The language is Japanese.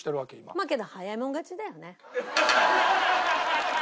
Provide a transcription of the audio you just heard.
まあけど早い者勝ちだよね。